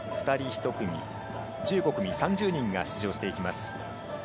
２人１組、１５組３０人が出場していきます。